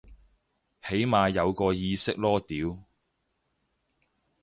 起碼有個意識囉屌